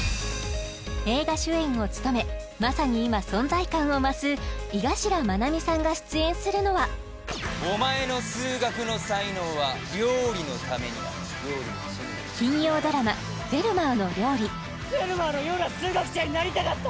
映画主演を務めまさに今存在感を増す井頭愛海さんが出演するのはお前の数学の才能は料理のためにある金曜ドラマ「フェルマーの料理」フェルマーのような数学者になりたかった！